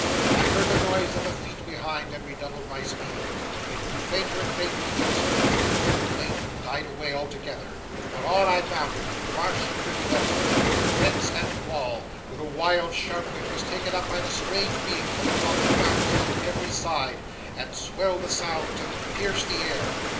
I heard the noise of the feet behind, and redoubled my speed. It grew fainter and fainter in the distance, and at length died away altogether; but on I bounded, through marsh and rivulet, over fence and wall, with a wild shout which was taken up by the strange beings that flocked around me on every side, and swelled the sound, till it pierced the air.